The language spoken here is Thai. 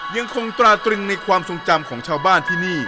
ยังคงตราตรึงในความทรงจำของชาวบ้านที่นี่